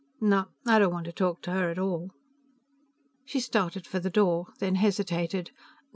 "No, I don't want to talk to her at all." She started for the door, then hesitated.